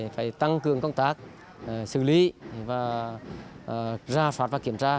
phải tăng cường công tác xử lý và ra soát và kiểm tra